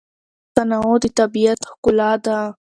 تنوع د طبیعت ښکلا ده.